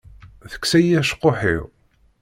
Teksa-yi acekkuḥ-iw.